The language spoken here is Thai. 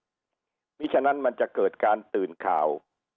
เพราะฉะนั้นมันจะเกิดการตื่นข่าว